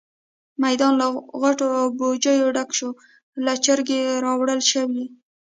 میدان له غوټو او بوجيو ډک شو او چرګې راوړل شوې.